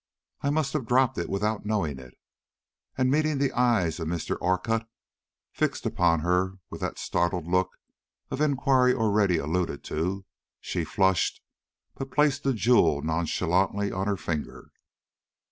"I must have dropped it without knowing it." And meeting the eye of Mr. Orcutt fixed upon her with that startled look of inquiry already alluded to, she flushed, but placed the jewel nonchalantly on her finger.